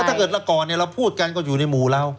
ถ้าเกิดละก่อนเราพูดกันก็อยู่ในหมู่เรา